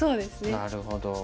なるほど。